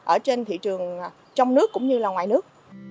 ở trên thị trường trong nước cũng như là ngoài nước